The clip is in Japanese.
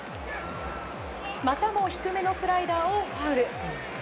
またも低めのスライダーをファウル。